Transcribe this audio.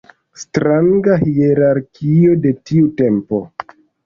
Stranga hierarkio de tiu tempo.